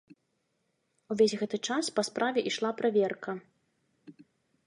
Увесь гэты час па справе ішла праверка.